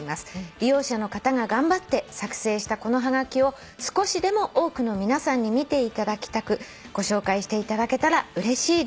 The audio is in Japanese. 「利用者の方が頑張って作成したこのはがきを少しでも多くの皆さんに見ていただきたくご紹介していただけたらうれしいです」